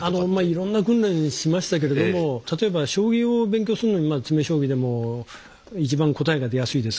いろんな訓練しましたけれども例えば将棋を勉強するのに詰将棋でも一番答えが出やすいですからね。